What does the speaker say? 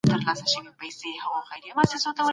ښه اقتصاد د ټولني د ثبات اصلي بنسټ دی.